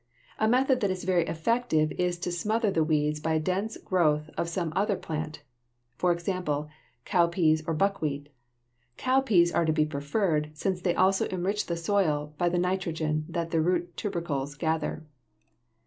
A method that is very effective is to smother the weeds by a dense growth of some other plant, for example, cowpeas or buckwheat. Cowpeas are to be preferred, since they also enrich the soil by the nitrogen that the root tubercles gather. [Illustration: FIG. 60.